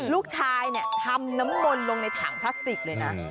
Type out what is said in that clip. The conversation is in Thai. ลูกชายเนี่ยทำน้ำมนต์ลงในถังพลาสติกเลยนะ